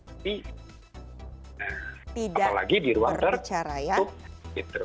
apalagi di ruang tertutup